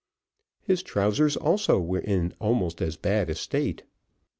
His trousers also were in almost as bad a state.